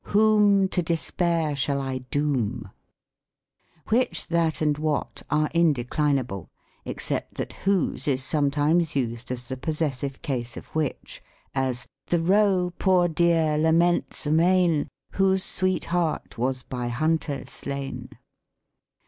Whom To despair shall I doom ? Which, that and what are indeclinable ; except that whose is sometimes used as the possessive case of which ; as, •" The roe, poor dear, laments amain, Whose sweet hart was by hunter slain."